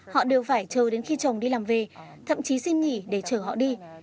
họ đều phải chờ đến khi chồng đi làm về thậm chí xin nghỉ để chờ họ đi